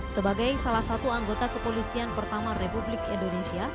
sebagai salah satu anggota kepolisian pertama republik indonesia